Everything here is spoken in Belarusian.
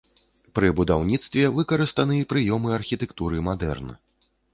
Пры будаўніцтве выкарыстаны прыёмы архітэктуры мадэрн.